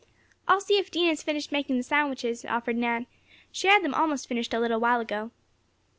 "I'll see if Dinah has finished making the sandwiches," offered Nan. "She had them almost finished a little while ago."